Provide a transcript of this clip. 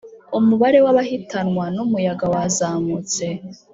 umubare w'abahitanwa n’umuyaga wazamutse